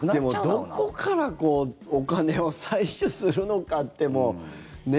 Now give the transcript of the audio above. でも、どこからお金を採取するのかってね。